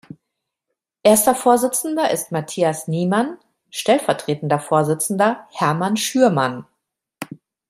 Erster Vorsitzender ist Matthias Niemann, Stellvertretender Vorsitzender Hermann Schürmann.